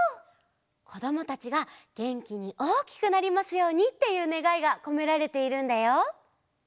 こどもたちがげんきにおおきくなりますようにっていうねがいがこめられているんだよ。